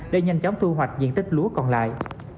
để nhanh chóng thu hoạch diện tích lúa còn lại